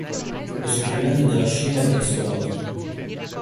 Lo scorrimento della scena è verso l'alto.